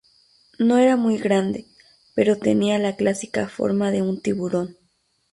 No era muy grande, pero tenía la clásica forma de un tiburón.